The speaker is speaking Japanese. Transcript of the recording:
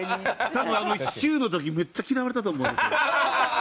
多分あの「ヒュー！」の時めっちゃ嫌われたと思うんだけど。